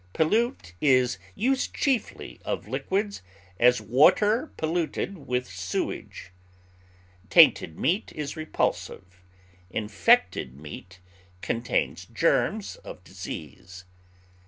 Pollute is used chiefly of liquids; as, water polluted with sewage. Tainted meat is repulsive; infected meat contains germs of disease.